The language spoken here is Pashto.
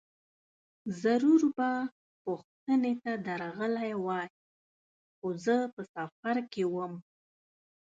ضرور به پوښتنې ته درغلی وای، خو زه په سفر کې وم.